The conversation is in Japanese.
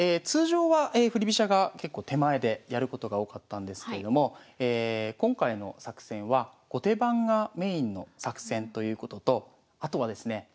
通常は振り飛車が結構手前でやることが多かったんですけれども今回の作戦は後手番がメインの作戦ということとあとはですね